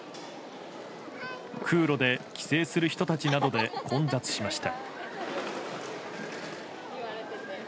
空路で帰省する人たちなどで混雑しました。